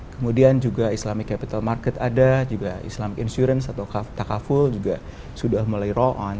kemudian juga islamic capital market ada juga islamic insurance atau takaful juga sudah mulai roll on